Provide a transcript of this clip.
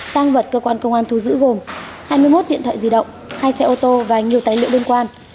tăng vật cơ quan công an thu giữ gồm hai mươi một điện thoại di động hai xe ô tô và nhiều tài liệu liên quan